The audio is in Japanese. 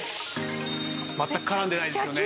全く絡んでないですよね。